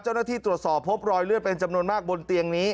เจ้าหน้าที่ตรวจสอบพบรอยเลือดเป็นจำนวนมากบนเตียงนี้